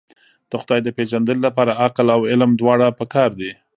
د خدای د پېژندنې لپاره عقل او علم دواړه پکار دي.